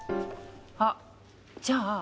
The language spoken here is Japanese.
あじゃあ